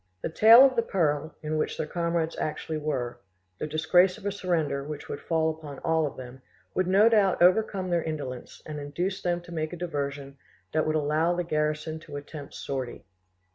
The tale of the peril in which their Comrades actually were, the disgrace of a surrender, which would fall upon all of them, would no doubt overcome their indolence and induce them to make a diversion that would allow the garrison to attempt sortie.